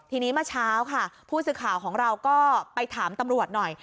ทีนี้เมื่อเช้าค่ะผู้สื่อข่าวของเราก็ไปถามตำรวจหน่อย